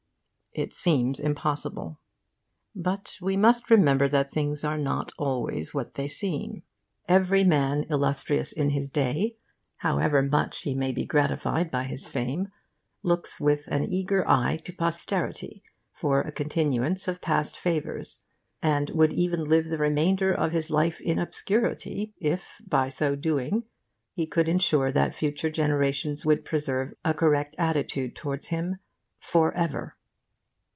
It seems impossible. But we must remember that things are not always what they seem. Every man illustrious in his day, however much he may be gratified by his fame, looks with an eager eye to posterity for a continuance of past favours, and would even live the remainder of his life in obscurity if by so doing he could insure that future generations would preserve a correct attitude towards him forever.